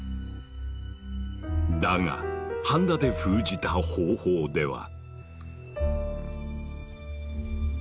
だがハンダで封じた方法では。